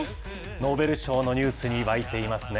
ノーベル賞のニュースに沸いていますね。